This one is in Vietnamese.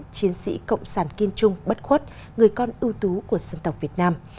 chiến sĩ cộng sản kiên trung bất khuất người con ưu tú của dân tộc việt nam